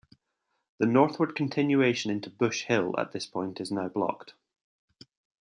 The northward continuation into Bush Hill at this point is now blocked.